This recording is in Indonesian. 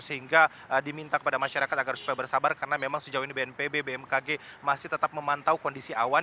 sehingga diminta kepada masyarakat agar supaya bersabar karena memang sejauh ini bnpb bmkg masih tetap memantau kondisi awan